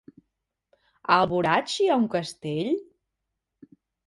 A Alboraig hi ha un castell?